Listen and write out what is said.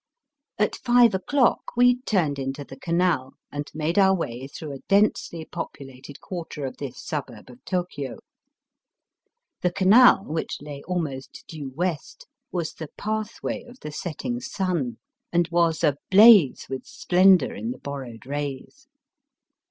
At five o'clock we turned into the canal and made our way through a densely populated quarter of this suburb of Tokio. The canal, which lay almost due west, was the pathway of the setting sun and was ablaze with splendour in the borrowed rays.